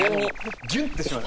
ギュンって閉まる？